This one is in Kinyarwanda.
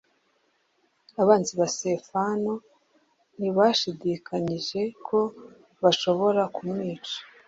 Abanzi ba Sitefano ntibashidikanyije ko bashobora kumwica